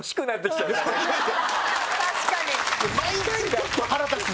確かに。